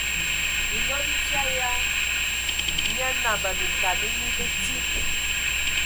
Minlo bifia ya mia nambə minkana mi bəti.